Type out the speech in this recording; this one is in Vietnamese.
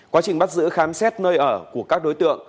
quá trình bắt giữ khám xét nơi ở của các đối tượng